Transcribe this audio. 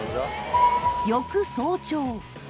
翌早朝。